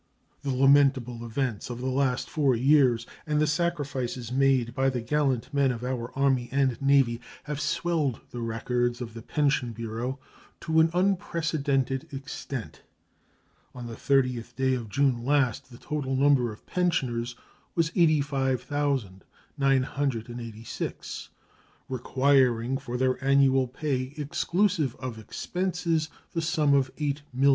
The lamentable events of the last four years and the sacrifices made by the gallant men of our Army and Navy have swelled the records of the Pension Bureau to an unprecedented extent. On the 30th day of June last the total number of pensioners was 85,986, requiring for their annual pay, exclusive of expenses, the sum of $8,023,445.